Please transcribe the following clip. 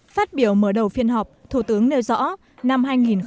phát biểu mở đầu phiên họp thủ tướng nêu rõ năm hai nghìn một mươi chín